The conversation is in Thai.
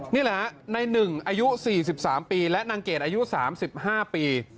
นี่แหละฮะในหนึ่งอายุ๔๓ปีและนางเกดอายุ๓๕ปี